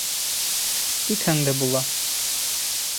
Китһәң дә була.